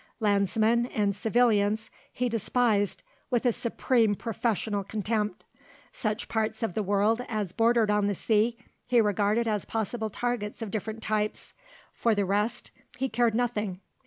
Landsmen and civilians he despised with a supreme professional contempt. Such parts of the world as bordered on the sea, he regarded as possible targets of different types; for the rest he cared nothing.